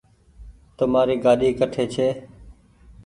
تمآري گآڏي ڪٺي ڇي